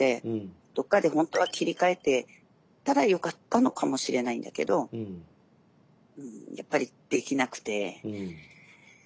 どっかで本当は切り替えてたらよかったのかもしれないんだけどやっぱりできなくて。